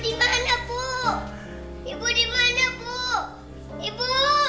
ibu dimana bu